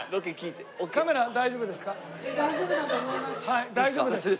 はい大丈夫です。